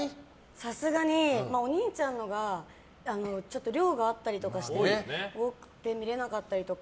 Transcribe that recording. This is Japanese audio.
さすがにお兄ちゃんのほうが量があったりとかして多くて見れなかったりとか。